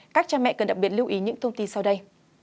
các cha mẹ cần đặc biệt lưu ý những thông tin sau đây